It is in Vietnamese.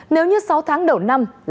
nếu như sáu tháng đầu năm